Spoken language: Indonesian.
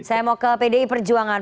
saya mau ke pdi perjuangan